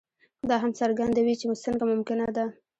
دا هم څرګندوي چې څنګه ممکنه ده.